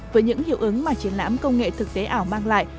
với những hiệu ứng mà triển lãm công nghệ thực tế ảo mang lại